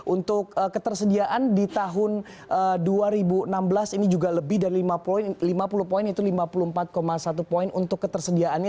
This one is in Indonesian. untuk ketersediaan di tahun dua ribu enam belas ini juga lebih dari lima puluh poin itu lima puluh empat satu poin untuk ketersediaannya